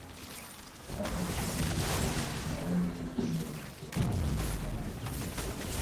That makes the viewers believe that Melanie was committing a passionate crime.